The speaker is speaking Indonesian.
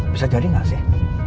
bisa jadi gak sih